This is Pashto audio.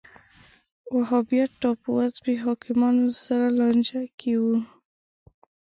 وهابیت ټاپووزمې حاکمانو سره لانجه کې و